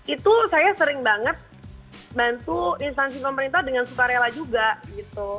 itu saya sering banget bantu instansi pemerintah dengan suka rela juga gitu